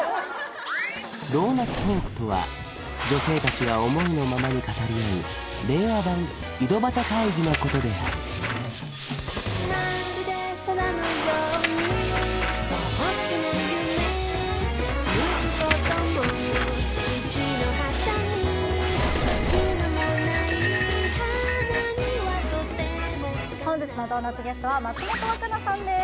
ドーナツトークとは女性達が思いのままに語り合う令和版井戸端会議のことである本日のドーナツゲストは松本若菜さんです